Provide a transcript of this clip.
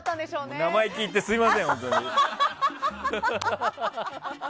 生意気言ってすみません本当に。